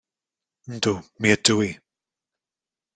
Yndw, mi ydw i.